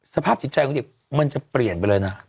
สภาพจิตใจของเด็กมันจะเปลี่ยนไปเลยนะ